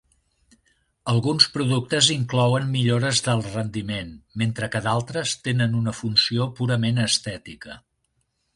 Alguns productes inclouen millores del rendiment, mentre que d'altres tenen una funció purament estètica.